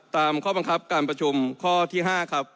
ตามข้อบังคับการประชุมข้อที่๕ครับ